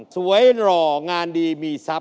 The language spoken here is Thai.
หล่องานดีมีทรัพย